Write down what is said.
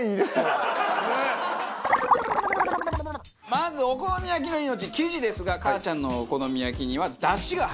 まずお好み焼きの命生地ですがかあちゃんのお好み焼きには出汁が入っています。